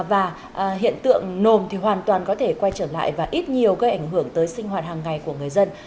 và hiện tượng nồm thì hoàn toàn có thể quay trở lại và ít nhiều gây ảnh hưởng tới sinh hoạt hàng ngày của người dân